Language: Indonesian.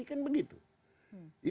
bahwa kami tidak mau diintervensi